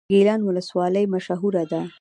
د ګیلان ولسوالۍ مشهوره ده